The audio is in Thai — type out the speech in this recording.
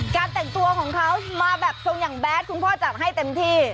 แต่งตัวของเขามาแบบทรงอย่างแดดคุณพ่อจัดให้เต็มที่